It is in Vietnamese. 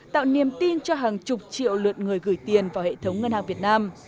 tạo niềm tin cho hàng chục triệu lượt người gửi tiền vào hệ thống ngân hàng việt nam